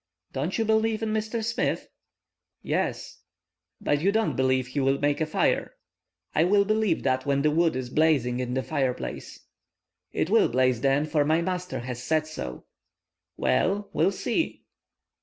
"Don't you believe in Mr. Smith?" "Yes." "But you don't believe be will make a fire?" "I will believe that when the wood is blazing in the fire place." "It will blaze, then, for my master has said so!" "Well, we'll see!"